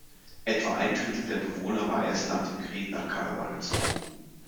Etwa ein Drittel der Bewohner war erst nach dem Krieg nach Kanada gezogen.